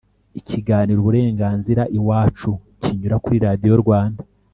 ikiganiro uburenganzira iwacu kinyura kuri radiyo rwanda